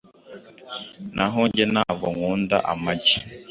Naho njye, ntabwo nkunda amagi.